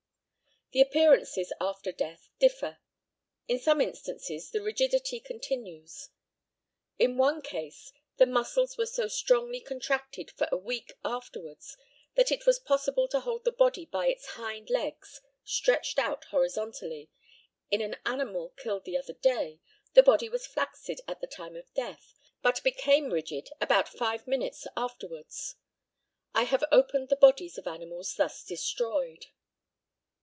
The appearances after death differ. In some instances the rigidity continues. In one case, the muscles were so strongly contracted for a week afterwards, that it was possible to hold the body by its hind legs stretched out horizontally. In an animal killed the other day the body was flaccid at the time of death, but became rigid about five minutes afterwards. I have opened the bodies of animals thus destroyed.